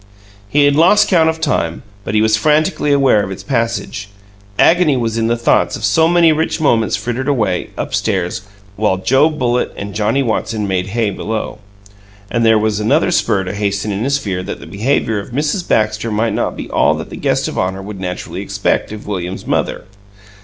He had lost count of time, but he was frantically aware of its passage; agony was in the thought of so many rich moments frittered away; up stairs, while Joe Bullitt and Johnnie Watson made hay below. And there was another spur to haste in his fear that the behavior of Mrs. Baxter might not be all that the guest of honor would naturally expect of William's mother.